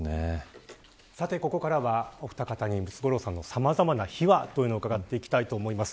ここからはお２方にムツゴロウさんにさまざまな秘話を伺っていきたいと思います。